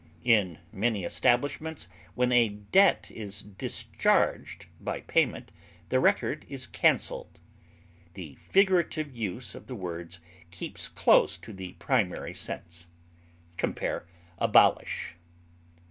In many establishments, when a debt is discharged by payment, the record is canceled. The figurative use of the words keeps close to the primary sense. Compare ABOLISH.